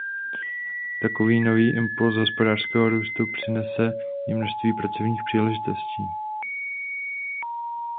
Takový nový impuls hospodářského růstu přinese i množství pracovních příležitostí.